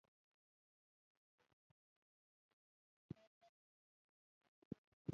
په دې دنیا کې د اختلافاتو ختمېدل امکان نه لري.